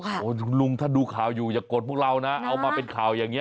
คุณลุงถ้าดูข่าวอยู่อย่ากดพวกเรานะเอามาเป็นข่าวอย่างนี้